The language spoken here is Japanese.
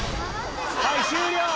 はい終了！